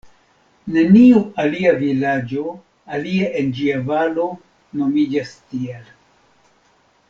Neniu alia vilaĝo, alie en ĝia valo, nomiĝas tiel.